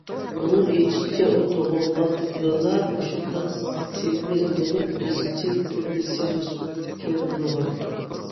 ئۇنىڭ ئېيتىشىچە، ئۇ تۇغۇلغاندىلا مۇشۇنداق سېمىز بولۇپ، ئىزچىل تۈردە سېمىز چوڭلىغان.